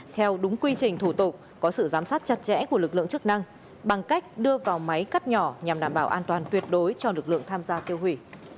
theo đúng quy trình thủ tục có sự giám sát chặt chẽ của lực lượng chức năng bằng cách đưa vào máy cắt nhỏ nhằm đảm bảo an toàn tuyệt đối cho lực lượng tham gia tiêu hủy